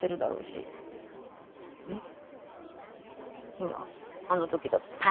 ほらあの時だって。